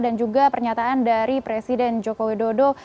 dan juga pernyataan dari presiden joko widodo